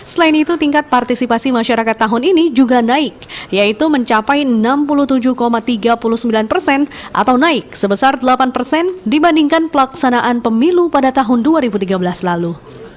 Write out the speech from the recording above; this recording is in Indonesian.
selain itu tingkat partisipasi masyarakat tahun ini juga naik yaitu mencapai enam puluh tujuh tiga puluh sembilan persen atau naik sebesar delapan persen dibandingkan pelaksanaan pemilu pada tahun dua ribu tiga belas lalu